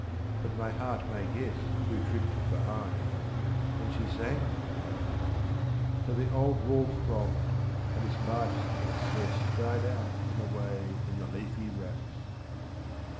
But my heart may guess Who tripped behind; and she sang, perhaps: So the old wall throbbed, and its life's excess Died out and away in the leafy wraps.